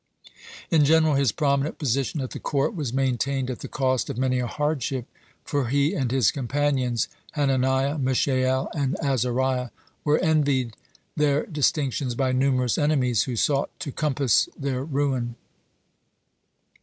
(77) In general, his prominent position at the court was maintained at the cost of many a hardship, for he and his companions, Hananiah, Mishael, and Azariah, were envied their distinctions by numerous enemies, who sought to compass their ruin.